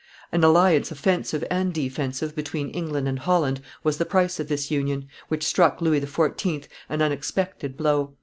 An alliance offensive and defensive between England and Holland was the price of this union, which struck Louis XIV. an unexpected blow.